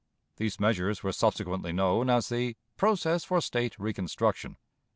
These measures were subsequently known as the "process for State reconstruction."